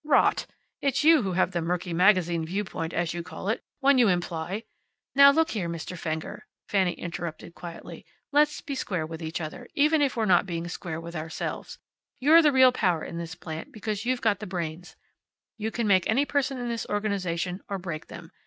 "Rot! It's you who have the murky magazine viewpoint, as you call it, when you imply " "Now, look here, Mr. Fenger," Fanny interrupted, quietly. "Let's be square with each other, even if we're not being square with ourselves. You're the real power in this plant, because you've the brains. You can make any person in this organization, or break them.